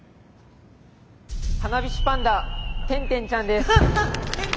「花火師パンダ転転ちゃん」です。